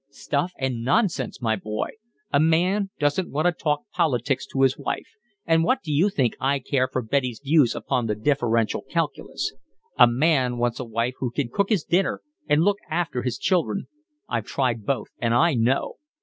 Stuff and nonsense, my boy! A man doesn't want to talk politics to his wife, and what do you think I care for Betty's views upon the Differential Calculus? A man wants a wife who can cook his dinner and look after his children. I've tried both and I know.